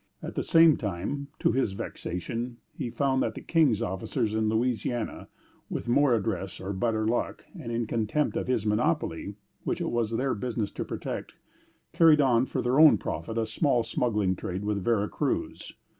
At the same time, to his vexation, he found that the King's officers in Louisiana, with more address or better luck, and in contempt of his monopoly, which it was their business to protect, carried on, for their own profit, a small smuggling trade with Vera Cruz.